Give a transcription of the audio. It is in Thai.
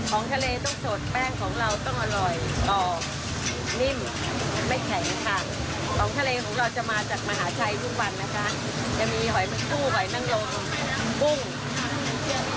ของทะเลต้องสดแป้งของเราต้องอร่อยกรอบนิ่มไม่แข็งค่ะ